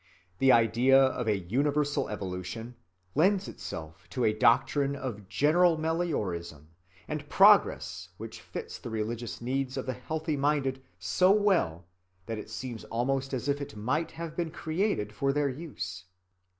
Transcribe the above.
The idea of a universal evolution lends itself to a doctrine of general meliorism and progress which fits the religious needs of the healthy‐minded so well that it seems almost as if it might have been created for their use.